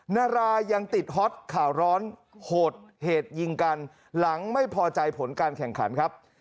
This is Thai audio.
นารายังติดฮอตข่าวร้อนโหดเหตุยิงกันหลังไม่พอใจผลการแข่งขันครับ